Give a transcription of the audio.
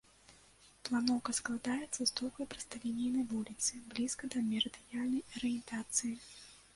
Планоўка складаецца з доўгай прасталінейнай вуліцы, блізкай да мерыдыянальнай арыентацыі.